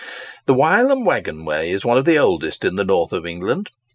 The Wylam waggon way is one of the oldest in the north of England.